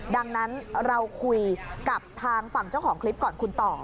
ดังนั้นเราคุยกับทางฝั่งเจ้าของคลิปก่อนคุณต่อ